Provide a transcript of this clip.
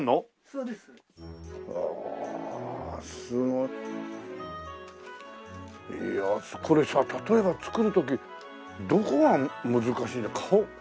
いやあこれさ例えば作る時どこが難しい顔？